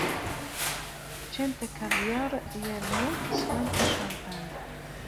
Ččant akavyaṛ yernu swant acampan.